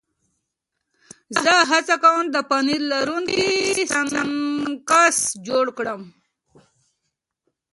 زه هڅه کوم د پنیر لرونکي سنکس جوړ کړم.